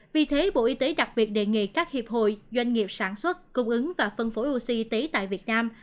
vì thế bộ y tế đặc biệt đề nghị các hiệp hội doanh nghiệp sản xuất cung ứng và phân phối oxy tại việt nam